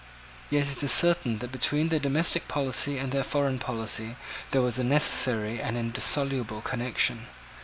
Yet it is certain that between their domestic policy and their foreign policy there was a necessary and indissoluble connection.